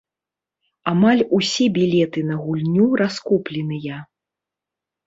Амаль усе білеты на гульню раскупленыя.